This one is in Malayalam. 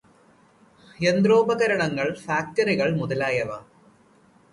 യന്ത്രോപകരണങ്ങൾ, ഫാക്ടറികൾ മുതലായവ.